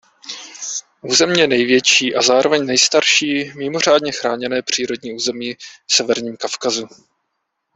Územně největší a zároveň nejstarší mimořádně chráněné přírodní území v severním Kavkazu.